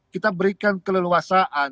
kita berikan keleluasaan